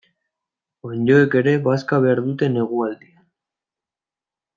Onddoek ere bazka behar dute negualdian.